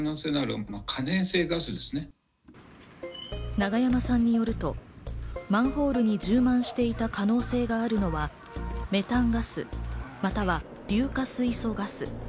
永山さんによると、マンホールに充満していた可能性があるのは、メタンガス、または硫化水素ガス。